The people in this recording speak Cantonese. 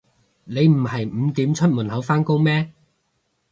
你唔係五點出門口返工咩